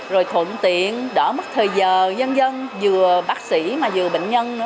rồi thuận tiện đỡ mất thời giờ dân dân vừa bác sĩ mà vừa bệnh nhân